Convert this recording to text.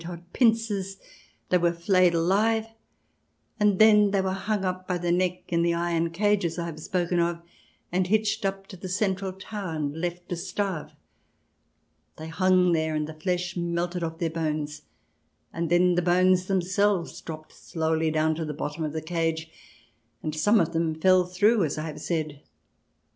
— J. L. F. M. H. 256 THE DESIRABLE ALIEN [ch. xviii torn from their bodies by red hot pincers, they were flayed alive, and then they were hung up by the neck in the iron cages I have spoken of, and hitched up to the central tower and left to starve. They hung there, and the flesh melted off their bones, and then the bones themselves dropped slowly down to the bottom of the cage, and some of them fell through, as I have said.